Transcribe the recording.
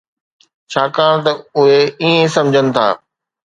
ڇاڪاڻ ته اهي ائين سمجهن ٿا.